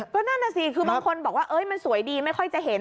ก็นั่นน่ะสิคือบางคนบอกว่ามันสวยดีไม่ค่อยจะเห็น